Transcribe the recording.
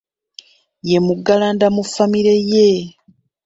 Ye muggalanda mu famire ye